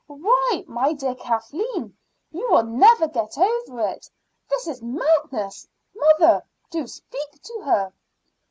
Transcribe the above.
Why, my dear Kathleen, you will never get over it. This is madness. Mother, do speak to her."